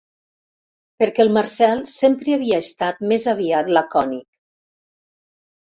Perquè el Marcel sempre havia estat més aviat lacònic.